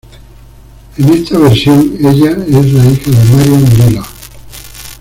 En esta versión, ella es la hija de Mariah Dillard.